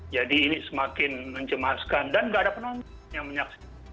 jadi ini semakin mencemaskan dan tidak ada penonton yang menyaksikan